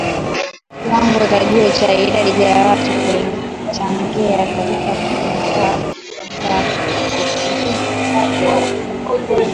Kiwango cha juu cha idadi ya watu kilichangia katika kupungua kwa ukuaji wa uchumi.